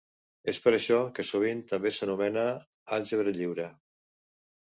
És per això que sovint també s'anomena àlgebra lliure.